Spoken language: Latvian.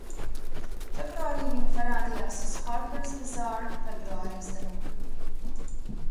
"Februārī viņa parādījās uz "Harpers Bazaar" februāra izdevuma."